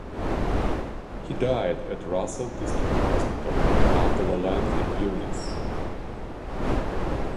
He died at Russell District Hospital after a lengthy illness.